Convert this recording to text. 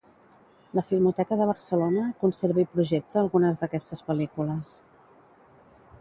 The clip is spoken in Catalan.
La Filmoteca de Barcelona conserva i projecta algunes d'aquestes pel·lícules.